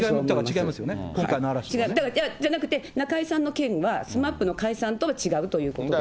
違います、中居さんの件は、ＳＭＡＰの解散の件とは違うということです。